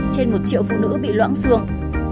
trên một triệu phụ nữ bị loãng xương